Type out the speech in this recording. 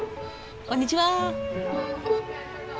こんにちは！